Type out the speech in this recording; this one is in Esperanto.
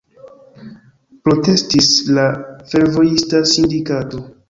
Protestis la fervojista sindikato.